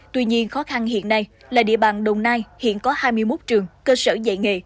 tuy nhiên khó khăn hiện nay là địa bàn đồng nai hiện có hai mươi một trường cơ sở dạy nghề